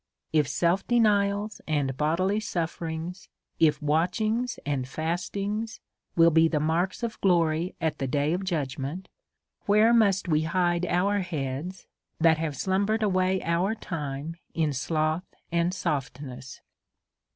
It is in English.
If self denials and bodily sufferings, if watchings and fastings, will be marks of glory at the day of judgment, where must we hide our heads that have slumbered away our time in sloth and softness